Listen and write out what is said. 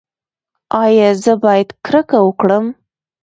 ایا زه باید کرکه وکړم؟